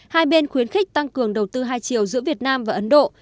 hai bên khuyến khích tăng cường đầu tư hai chiều giữa việt nam và ấn độ